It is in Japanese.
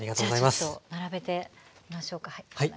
じゃあちょっと並べてみましょうか。